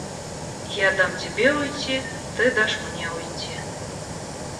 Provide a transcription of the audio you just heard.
Я дам тебе уйти, ты дашь мне уйти.